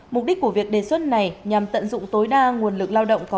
mục đích của việc đề xuất này nhằm tận dụng tối đa nguồn lực lao động có